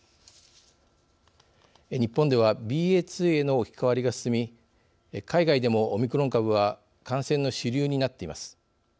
日本ではＢＡ．２への置き換わりが進み海外でもオミクロン株は感染の主流になっています。